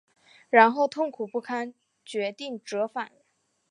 然后痛苦不堪决定折返